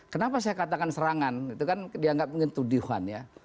kenapa saya katakan serangan itu kan dianggap mengetudihan ya